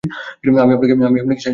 আমি আপনাকে সাহায্য করছি, স্যার।